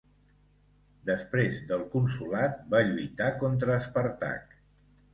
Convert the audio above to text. Després del consolat va lluitar contra Espàrtac.